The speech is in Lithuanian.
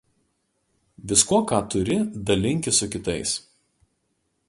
viskuo ką turi dalinkis su kitais